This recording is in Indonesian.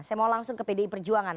saya mau langsung ke pdi perjuangan